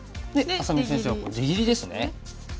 愛咲美先生は出切りですね。